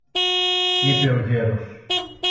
είπε ο γέρος.